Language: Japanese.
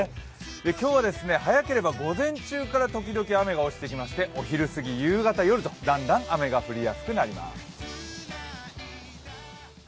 今日は早ければ午前中からときどき雨が落ちてきましてお昼過ぎ、夕方、夜とだんだん雨が降りやすくなります。